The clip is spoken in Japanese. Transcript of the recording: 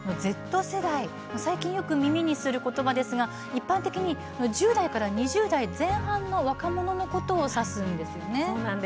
最近よく耳にすることばですが一般的に１０代から２０代前半の若者のことを指すんですよね。